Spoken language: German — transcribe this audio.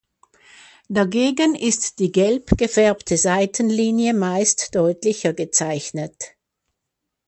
Dagegen ist die gelb gefärbte Seitenlinie meist deutlicher gezeichnet.